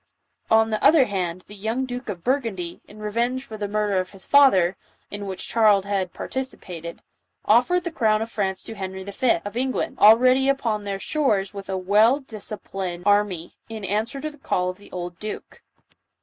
On the other hand the young Duke of Burgundy, in revenge for the murder of his father, in which Charles had par ticipated, offered the crown of France to Henry V., of England, already upon their shores with a well disci 142 JOAN OF ARC. plined army, in answer to the call of the old duke.